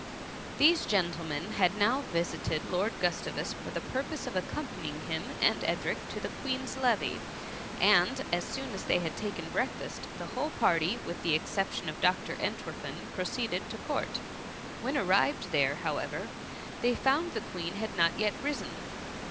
These gentlemen had now visited liOrd Gustavus, for the purpose of accompany ing him and Edric to the Queen'^s levee, and as soon as they had taken breakfast, the whole party, with the exception of Dr. Entwerfen, proceeded to court. When arrived there, however, they found the Queen had not yet risen.